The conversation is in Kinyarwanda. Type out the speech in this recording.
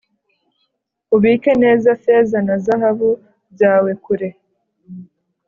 ubike neza feza na zahabu byawe kure